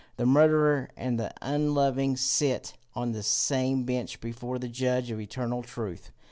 The murderer and the unloving sit on the same bench before the judge of eternal truth.